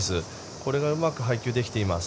これがうまく配球できています。